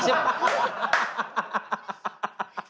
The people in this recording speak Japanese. ハハハハハハ！